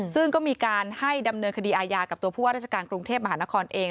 ซึ่งก็มีการให้ดำเนินคดีอาญากับตัวผู้ว่าราชการกรุงเทพมหานครเอง